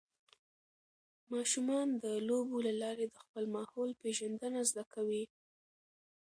ماشومان د لوبو له لارې د خپل ماحول پېژندنه زده کوي.